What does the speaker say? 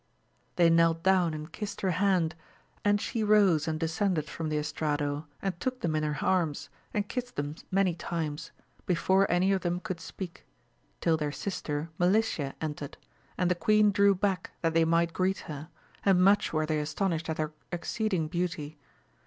• They knelt down and kissed her hand, and she rose and descended from the estrado and took them in her arms, and kissed them many times, before any of them could speak, till their sister Melicia entered, and the queen drew back that they might greet her, and much were they astonished at her exceeding beauty.